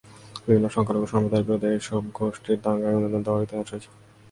বিভিন্ন সংখ্যালঘু সম্প্রদায়ের বিরুদ্ধে এসব গোষ্ঠীর দাঙ্গায় ইন্ধন দেওয়ার ইতিহাস রয়েছে।